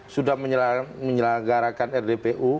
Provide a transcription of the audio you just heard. sudah menyelenggarakan rdpu